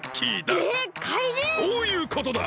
そういうことだ！